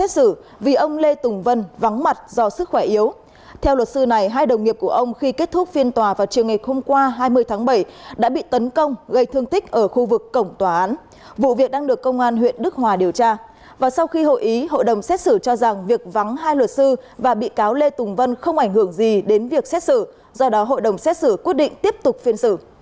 sau khi hội ý hội đồng xét xử cho rằng việc vắng hai luật sư và bị cáo lê tùng vân không ảnh hưởng gì đến việc xét xử do đó hội đồng xét xử quyết định tiếp tục phiên xử